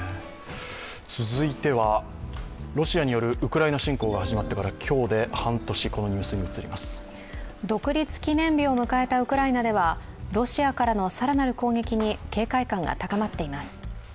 続いてはロシアによるウクライナ侵攻が始まってから今日で半年、このニュースに移ります、独立記念日を迎えたウクライナでは、ロシアから更なる攻撃に警戒感が高まっています。